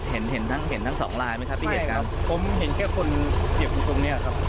เห็นเห็นทั้งเห็นทั้งสองรายไหมครับพิเศษครับผมเห็นแค่คนเสียงตุ้มตรงเนี้ยครับ